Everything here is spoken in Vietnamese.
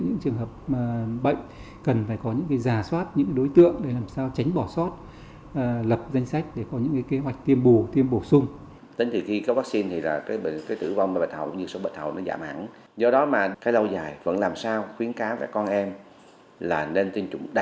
những trường hợp bệnh cần phải có những giả soát những đối tượng để làm sao tránh bỏ soát